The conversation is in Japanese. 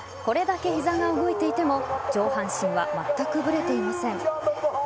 これだけ膝が動いていても上半身はまったくぶれていません。